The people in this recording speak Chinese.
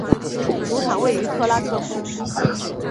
主场位于克拉科夫。